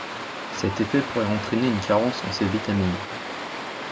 Cet effet pourrait entraîner une carence en ces vitamines.